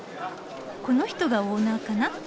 この人がオーナーかな。